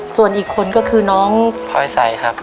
ส่วนอีกคนก็คือน้องพลอยใสครับ